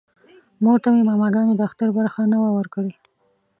مور ته مې ماماګانو د اختر برخه نه وه ورکړې